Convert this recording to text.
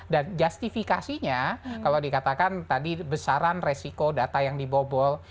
dan justifikasinya kalau dikatakan tadi besaran resiko data yang dibobol